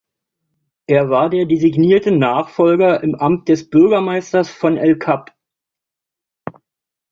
Er war der designierte Nachfolger im Amt des Bürgermeisters von el-Kab.